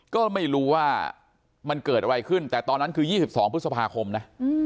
ก็ไม่รู้ว่ามันเกิดอะไรขึ้นแต่ตอนนั้นคือ๒๒พฤษภาคมนะ